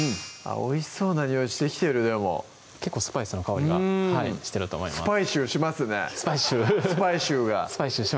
おいしそうなにおいしてきてる結構スパイスの香りがしてると思います